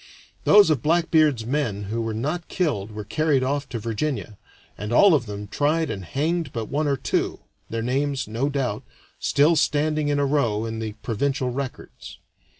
Those of Blackbeard's men who were not killed were carried off to Virginia, and all of them tried and hanged but one or two, their names, no doubt, still standing in a row in the provincial records.